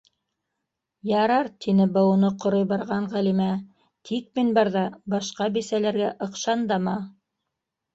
Ярар, - тине быуыны ҡорой барған Ғәлимә, - тик мин барҙа башҡа бисәләргә ыҡшандама...